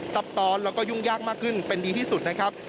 ซับซ้อนแล้วก็ยุ่งยากมากขึ้นเป็นดีที่สุดนะครับ